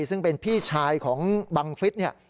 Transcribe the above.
ซึ่งเป็นพี่ชายของบังฟิศ